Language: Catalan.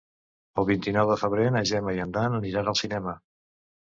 El vint-i-nou de febrer na Gemma i en Dan aniran al cinema.